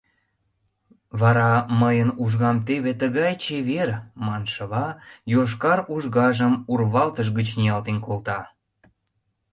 Вара, «мыйын ужгам теве тыгай чевер» маншыла, йошкар ужгажым урвалтыж гыч ниялтен колта.